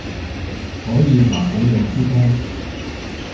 可以話畀老師聽